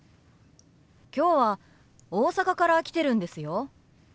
今日は大阪から来てるんですよ。